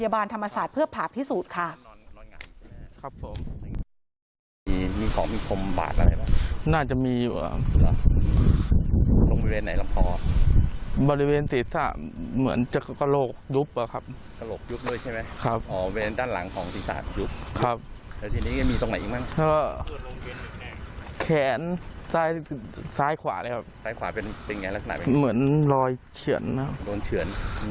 วิทยาศาสตร์โรงพยาบาลธรรมศาสตร์เพื่อผ่าพิสูจน์ค่ะ